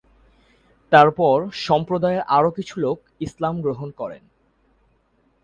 তার পর সম্প্রদায়ের আরও কিছু লোক ইসলাম গ্রহণ করেন।